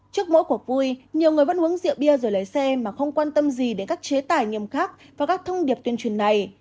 trước mỗi cuộc vui nhiều người vẫn uống rượu bia rồi lấy xe mà không quan tâm gì đến các chế tải nghiêm khắc và các thông điệp tuyên truyền này